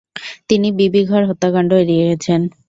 তিনি বিবিঘর হত্যাকাণ্ড এড়িয়ে গেছেন।